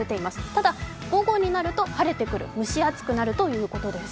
ただ午後になると晴れてくる、蒸し暑くなるということです。